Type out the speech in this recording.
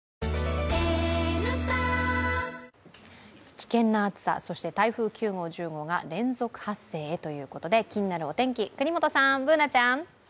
危険な暑さ、そして台風９号、１０号が連続発生へというこで、気になるお天気、國本さん、Ｂｏｏｎａちゃん。